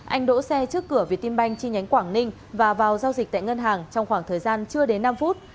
anh đỗ xe trước cửa việt tiên banh chi nhánh quảng ninh và vào giao dịch tại ngân hàng trong khoảng thời gian chưa đến năm phút